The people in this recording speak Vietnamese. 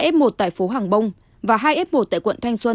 f một tại phố hàng bông và hai f một tại quận thanh xuân